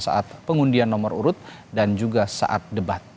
saat pengundian nomor urut dan juga saat debat